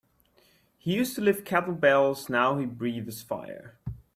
He used to lift kettlebells now he breathes fire.